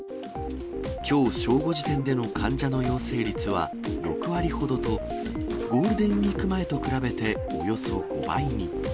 きょう正午時点での患者の陽性率は、６割ほどと、ゴールデンウィーク前と比べておよそ５倍に。